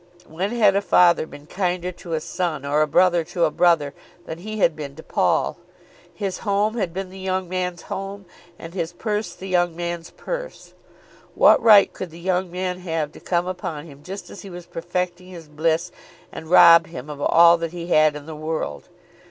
When had a father been kinder to a son, or a brother to a brother, than he had been to Paul? His home had been the young man's home, and his purse the young man's purse. What right could the young man have to come upon him just as he was perfecting his bliss and rob him of all that he had in the world?